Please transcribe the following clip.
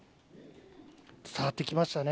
伝わってきましたね。